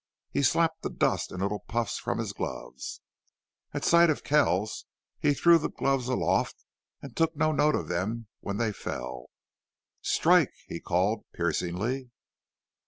He slapped the dust in little puffs from his gloves. At sight of Kells he threw the gloves aloft and took no note of them when they fell. "STRIKE!" he called, piercingly.